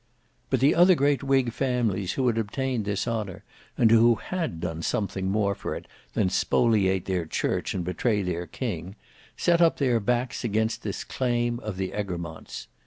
But the other great whig families who had obtained this honour, and who had done something more for it than spoliate their church and betray their king, set up their backs against this claim of the Egremonts.